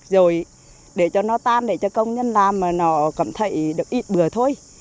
rồi để cho nó tan để cho công nhân làm mà nó cảm thấy được ít bừa thôi